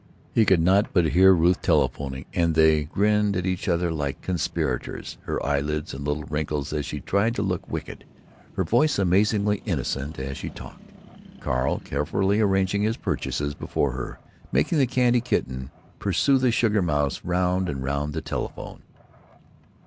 He could not but hear Ruth telephoning, and they grinned at each other like conspirators, her eyelids in little wrinkles as she tried to look wicked, her voice amazingly innocent as she talked, Carl carefully arraying his purchases before her, making the candy kitten pursue the sugar mouse round and round the telephone.